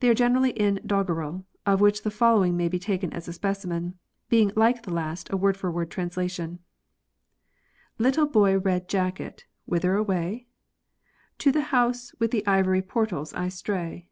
They are generally in doggerel, of which the following may be taken as a specimen, being like the last a word for word trans lation :— Little boy red jacket, whither away ? To the house with the ivory portals I stray.